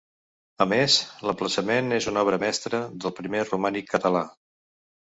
A més, l’emplaçament és una obra mestra del primer romànic català.